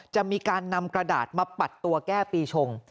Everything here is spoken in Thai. จะมีการนำกระดาษมาปัดตัวแก้ปีชง